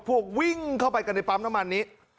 พวกวิ่งเข้าไปกันในปั๊มน้ำมันนี้